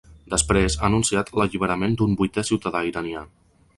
Després, ha anunciat l’alliberament d’un vuitè ciutadà iranià.